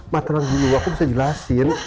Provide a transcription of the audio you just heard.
mbak tenang dulu aku bisa jelasin